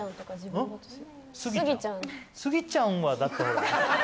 スギちゃんはだってほら。